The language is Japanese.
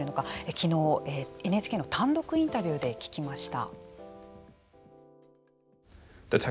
昨日ＮＨＫの単独インタビューで聞きました。